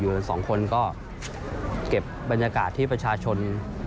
กันสองคนก็เก็บบรรยากาศที่ประชาชน